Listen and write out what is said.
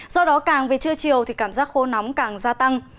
do đó càng về trưa chiều thì cảm giác khô nóng càng gia tăng